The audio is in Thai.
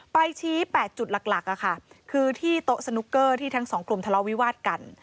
ไปชี้๘จุดหลักคือที่โต๊ะสนุกเกอร์ที่ทั้งสองกลุ่มทะเลาวิวาสกัน